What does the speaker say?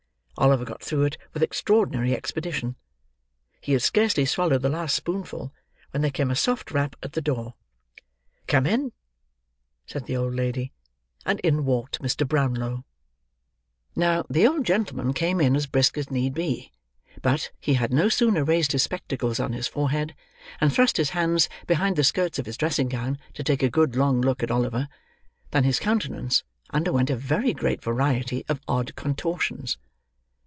Oliver got through it with extraordinary expedition. He had scarcely swallowed the last spoonful, when there came a soft rap at the door. "Come in," said the old lady; and in walked Mr. Brownlow. Now, the old gentleman came in as brisk as need be; but, he had no sooner raised his spectacles on his forehead, and thrust his hands behind the skirts of his dressing gown to take a good long look at Oliver, than his countenance underwent a very great variety of odd contortions.